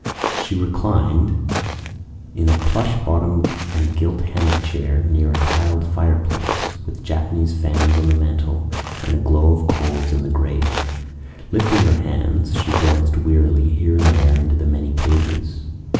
She reclined in a plush bottomed and gilt hammock chair near a tiled fireplace, with Japanese fans on the mantel and a glow of coals in the grate. Lifting her hands, she glanced wearily here and there into the many pages.